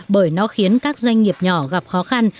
bởi nó khiến các doanh nghiệp nhỏ gặp khó khăn